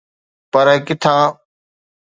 پر ڪٿان؟